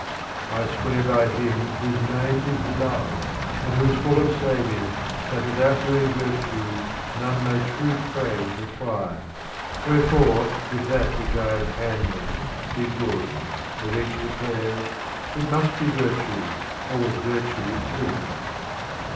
(88) I swear by him Whose name is love, and who is full of saving, that without doing virtue none may true praise ac quire ; wherefore if that which I am handling ^ be good, as each declares, it must be virtue, or with virtue linked.